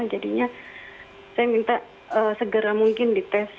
jadinya saya minta segera mungkin di tes